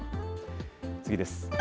次です。